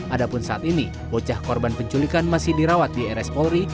adapun saat ini bocah korban penculikan masih dirawat di rs polri